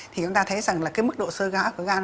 thì chúng ta thấy rằng là cái mức độ sơ ga của gan